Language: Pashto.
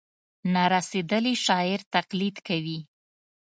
نا رسېدلي شاعر تقلید کوي.